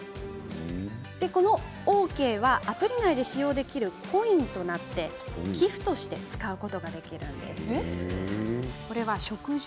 このＯＫはアプリ内で使用できるコインとなり寄付として使用できるんです。